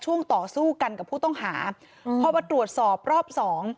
ช่วงต่อสู้กันกับผู้ต้องหาอืมเพราะว่าตรวจสอบรอบสอง